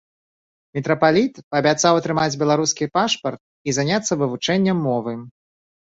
Мітрапаліт паабяцаў атрымаць беларускі пашпарт і заняцца вывучэннем мовы.